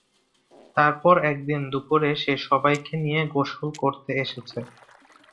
তারপর একদিন দুপুরে সে সবাইকে নিয়ে গোসল করতে এসেছে।